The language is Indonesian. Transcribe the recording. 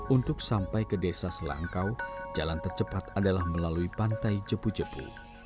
untuk sampai ke desa selangkau jalan tercepat adalah melalui pantai jepu jepu